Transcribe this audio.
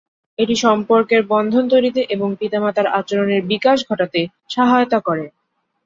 এটি সম্পর্কের বন্ধন তৈরিতে এবং পিতামাতার আচরণের বিকাশ ঘটাতে সহায়তা করে।